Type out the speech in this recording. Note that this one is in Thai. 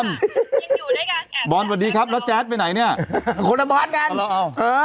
ยังอยู่ด้วยกันบอลสวัสดีครับแล้วแจ๊ดไปไหนเนี้ยคนละบอดกันเอาแล้วเอา